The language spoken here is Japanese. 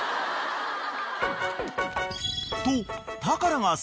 ［と］